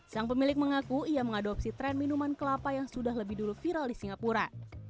sang pemilik mengaku ia mengadopsi tren minuman kelapa yang sudah lebih dulu viral di singapura